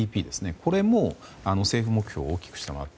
これも政府目標を大きく下回った。